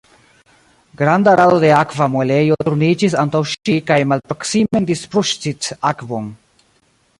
Granda rado de akva muelejo turniĝis antaŭ ŝi kaj malproksimen disŝprucis akvon.